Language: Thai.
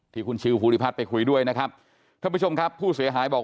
ที่คุณชิวภูริพัฒน์ไปคุยด้วยนะครับท่านผู้ชมครับผู้เสียหายบอก